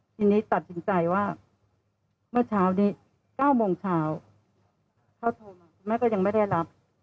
ทีนี้ตัดสินใจว่าเมื่อเช้านี้๙โมงเช้าเขาโทรมาแม่ก็ยังไม่ได้รับ